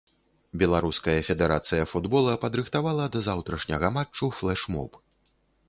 Беларуская федэрацыя футбола падрыхтавала да заўтрашняга матчу флэш-моб.